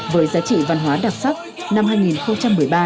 với giá trị văn hóa đặc sắc năm hai nghìn một mươi ba